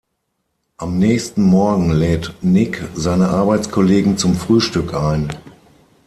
Am nächsten Morgen lädt Nick seine Arbeitskollegen zum Frühstück ein.